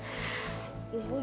ibu juga berangkat